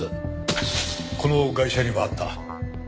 このガイシャにもあった。